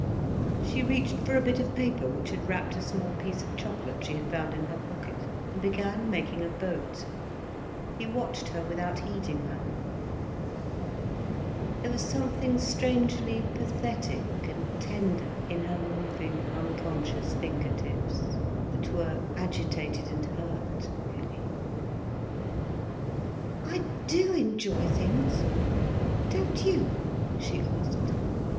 She reached for a bit of paper which had wrapped a small piece of chocolate she had found in her pocket, and began making a boat. He watched her without heeding her. There was something strangely pathetic and tender in her moving, unconscious finger tips, that were agitated and hurt, really. "I do enjoy things—don't you?" she asked.